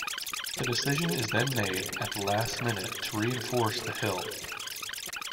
The decision is then made at the last minute to reinforce the hill.